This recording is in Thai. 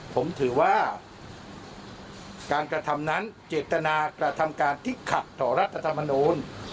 ผมถือว่าการกระทำนั้นเจตนากระทำการที่ขัดต่อรัฐธรรมนูล